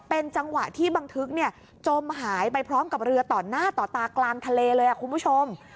เป็นจังหวะที่บันทึกจมหายไปพร้อมกับเรือต่อหน้าต่อตากลางทะเลเลยคุณผู้ชม